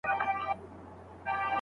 ځيني خلک افراطي چلند کوي.